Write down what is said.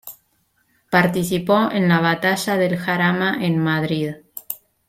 Participó en la Batalla del Jarama en Madrid.